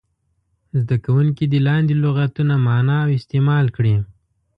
زده کوونکي دې لاندې لغتونه معنا او استعمال کړي.